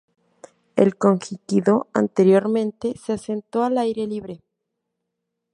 El Konjiki-dō anteriormente se asentó al aire libre.